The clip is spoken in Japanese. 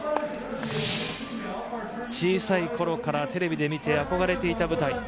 小さいころからテレビで見て憧れていた舞台。